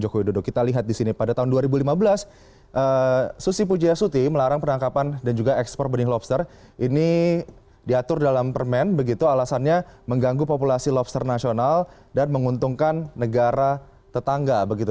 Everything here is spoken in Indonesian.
jokowi dodo kita lihat di sini pada tahun dua ribu lima belas susi pujiasuti melarang penangkapan dan juga ekspor benih lobster ini diatur dalam permen begitu alasannya mengganggu populasi lobster nasional dan menguntungkan negara tetangga begitu